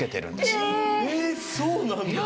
えっそうなんだ。